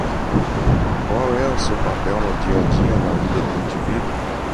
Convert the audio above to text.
Qual é o seu papel no dia-a-dia na vida do indivíduo?